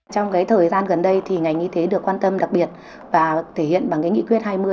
trong thời gian gần đây ngành y tế được quan tâm đặc biệt và thể hiện bằng nghị quyết hai mươi hai mươi một